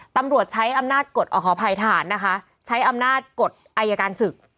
ตำรวจใช้อำนาจกฎขออภัยทหารนะคะใช้อำนาจกฎอายการศึก